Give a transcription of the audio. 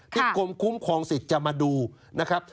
กรมคุ้มครองสิทธิ์จะมาดูนะครับ